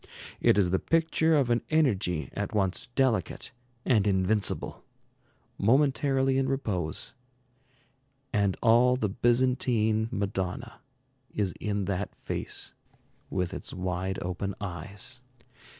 It is the picture of an energy at once delicate and invincible, momentarily in repose; and all the Byzantine Madonna is in that face with its wide open eyes.